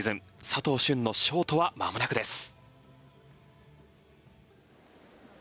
佐藤駿のショートはまもなくです。